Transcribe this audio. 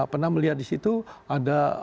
pernah melihat disitu ada